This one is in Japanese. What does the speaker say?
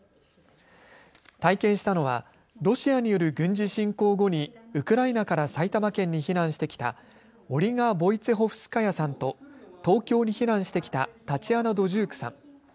体験したのはロシアによる軍事侵攻後にウクライナから埼玉県に避難してきたオリガ・ボイツェホフスカヤさんと東京に避難してきたタチアナ・ドジュークさん。